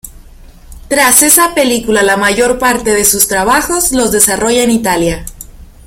Tras esa película, la mayor parte de sus trabajos los desarrolla en Italia.